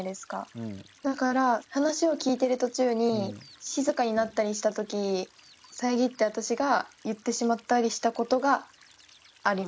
だから話を聞いてる途中に静かになったりしたときさえぎって私が言ってしまったりしたことがあります。